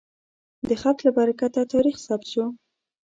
د خط له برکته تاریخ ثبت شو.